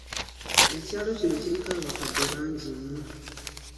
Ekyalo kino kiriko abakadde bangi nnyo.